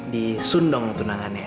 di sundung tunangannya